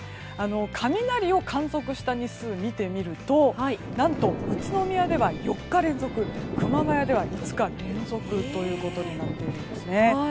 雷を観測した日数を見てみると何と、宇都宮では４日連続熊谷では５日連続となっているんです。